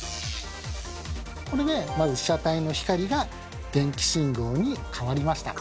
これでまず被写体の光が電気信号にかわりました。